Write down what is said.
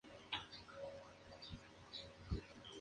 La pelea continuó, con Al Iaquinta reemplazando a Holloway.